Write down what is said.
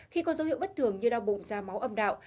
khi có dấu hiệu bất thường như đau bụng da máu âm đạo